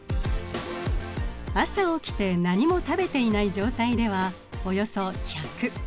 朝起きて何も食べていない状態ではおよそ１００。